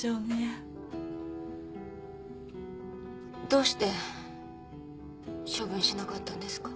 どうして処分しなかったんですか？